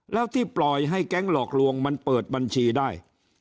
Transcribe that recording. แล้วที่ปล่อยให้แก๊งหลอกลวงมันเปิดบัญชีได้